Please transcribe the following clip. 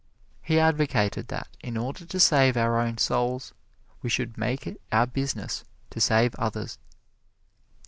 He advocated that, in order to save our own souls, we should make it our business to save others.